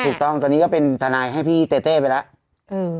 ถูกต้องตอนนี้ก็เป็นทนายให้พี่เต้เต้ไปแล้ว